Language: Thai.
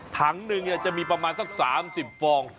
ถังหนึ่งจะมีประมาณสัก๓๐ฟอง